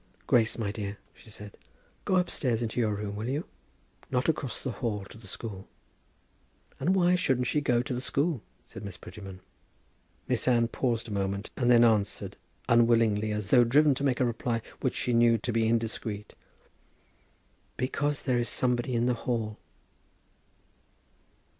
"Grace, my dear," she said, "go upstairs into your room, will you? not across the hall to the school." "And why shouldn't she go to the school?" said Miss Prettyman. Miss Anne paused a moment, and then answered, unwillingly, as though driven to make a reply which she knew to be indiscreet. "Because there is somebody in the hall."